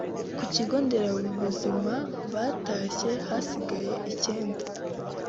ku kigo nderabuzima batashye hasigayeyo icyenda